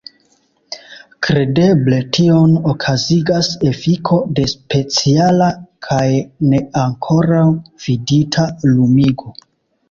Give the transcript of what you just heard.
Kredeble tion okazigas efiko de speciala kaj ne ankoraŭ vidita lumigo.